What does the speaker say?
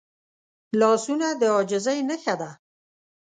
لاسونه د عاجزۍ نښه ده